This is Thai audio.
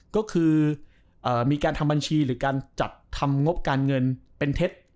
ก็คือมีการทำบัญชีหรือการจัดทำงบการเงินเป็นเท็จ